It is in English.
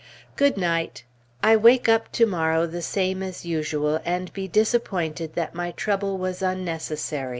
Good night! I wake up to morrow the same as usual, and be disappointed that my trouble was unnecessary.